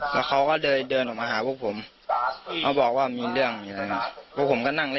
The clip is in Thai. แล้วเขาก็เดินออกมาพบพบกับบอกว่ามีเรื่องอยู่ตรงนี้เลย